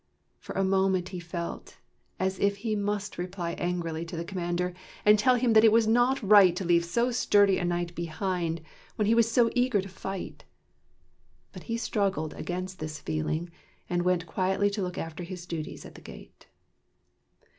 For a moment he felt as if he must reply angrily to the commander, and tell him that it was not right to leave so sturdy a knight behind, when he was eager 4 THE KNIGHTS OF THE SILVER SHIELD to fight. But he struggled against this feeling, and went quietly to look after his duties at the gate.